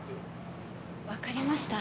わかりました。